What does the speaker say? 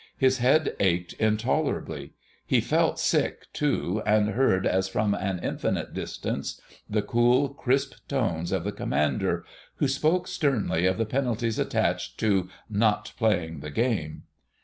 His head ached intolerably: he felt sick, too, and heard as from an infinite distance the cool, crisp tones of the Commander, who spoke sternly of the penalties attached to "not playing the game."